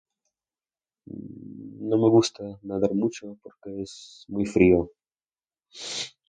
No me gusta nadar mucho porque es... muy frío.